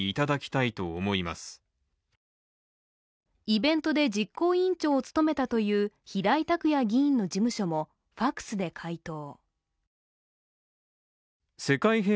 イベントで実行委員長を務めたという平井卓也議員の事務所もファクスで回答。